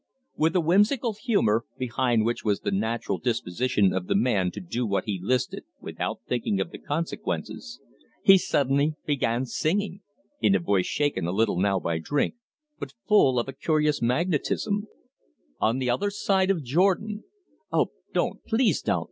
With a whimsical humour, behind which was the natural disposition of the man to do what he listed without thinking of the consequences, he suddenly began singing, in a voice shaken a little now by drink, but full of a curious magnetism: "On the other side of Jordan " "Oh, don't; please don't!"